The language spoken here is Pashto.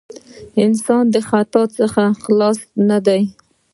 انسان د خطاء څخه خلاص نه دی.